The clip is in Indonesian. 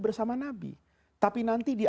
bersama nabi tapi nanti dia